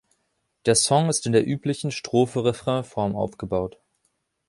Der Song ist in der üblichen Strophe-Refrain-Form aufgebaut.